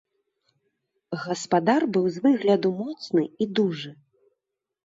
Гаспадар быў з выгляду моцны і дужы.